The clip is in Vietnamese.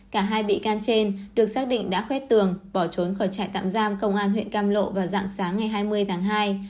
cả hai bị can trên được xác định đã khuét tường bỏ trốn khỏi trại tạm giam công an huyện cam lộ vào dạng sáng ngày hai mươi tháng hai